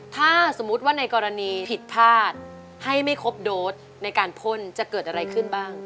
ถ้าสมมุติว่าในกรณีผิดพลาดให้ไม่ครบโดสในการพ่นจะเกิดอะไรขึ้นบ้าง